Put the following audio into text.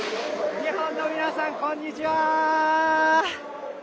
日本の皆さんこんにちは。